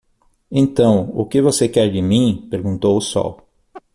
"Então o que você quer de mim?", Perguntou o sol.